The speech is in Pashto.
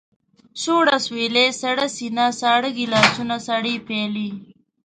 سوړ اسوېلی، سړه سينه، ساړه ګيلاسونه، سړې پيالې.